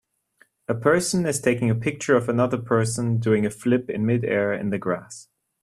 A person is taking a picture of another person doing a flip in midair in the grass.